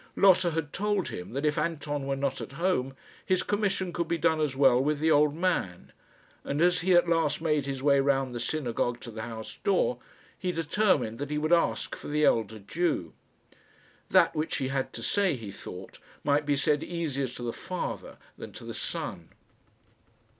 Lotta had told him that, if Anton were not at home, his commission could be done as well with the old man; and as he at last made his way round the synagogue to the house door, he determined that he would ask for the elder Jew. That which he had to say, he thought, might be said easier to the father than to the son.